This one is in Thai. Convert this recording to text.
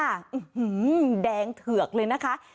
อื้อหือแดงเถือกเลยนะคะ